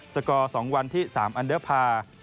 สกอร์๒วันที่๓อันเดอร์พาร์